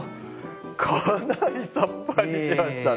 かなりさっぱりしましたね。